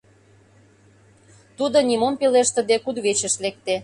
Тудо, нимом пелештыде, кудывечыш лекте.